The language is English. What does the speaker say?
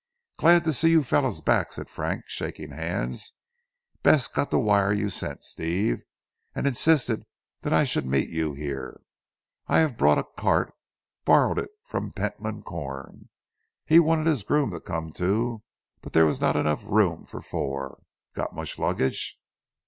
"Glad to see you fellows back," said Frank shaking hands. "Bess got the wire you sent Steve, and insisted that I should meet you here. I have brought a cart, borrowed it from Pentland Corn. He wanted his groom to come too, but there was not enough room for four. Got much luggage?"